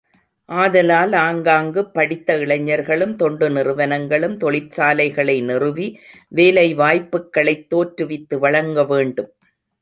ஆதலால் ஆங்காங்குப் படித்த இளைஞர்களும் தொண்டு நிறுவனங்களும் தொழிற்சாலைகளை நிறுவி வேலை வாய்ப்புக்களைத் தோற்றுவித்து வழங்க வேண்டும்.